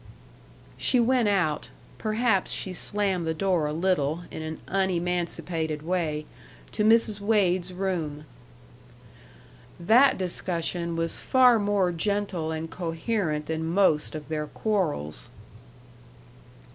She went out (perhaps she slammed the door a little, in an unemancipated way) to Mrs. Wade's room. That discussion was far more gentle and coherent than most of their quarrels.